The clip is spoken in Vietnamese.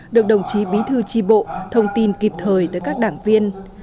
được đồng chí bí thư tri bộ thông tin kịp thời tới các đảng viên